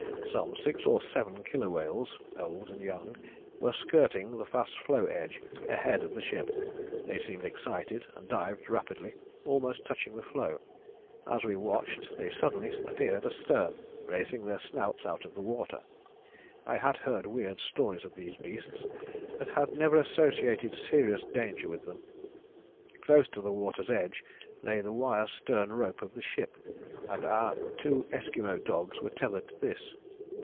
Some six or seven killer whales, old and young, were skirting the fast floe edge ahead of the ship; they seemed excited and dived rapidly, almost touching the floe. As we watched, they suddenly appeared astern, raising their snouts out of water. I had heard weird stories of these beasts, but had never associated serious danger with them. Close to the water's edge lay the wire stern rope of the ship, and our two Esquimaux dogs were tethered to this.